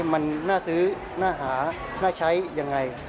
มันน่าซื้อน่าหาน่าใช้ยังไง